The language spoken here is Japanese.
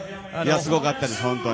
すごかったです、本当に。